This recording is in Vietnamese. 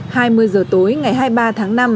hai mươi giờ tối ngày hai mươi ba tháng năm